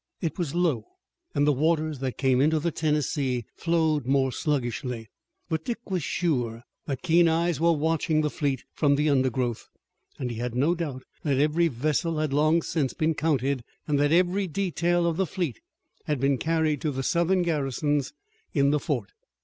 It was low and the waters that came into the Tennessee flowed more sluggishly. But Dick was sure that keen eyes were watching the fleet from the undergrowth, and he had no doubt that every vessel had long since been counted and that every detail of the fleet had been carried to the Southern garrisons in the fort.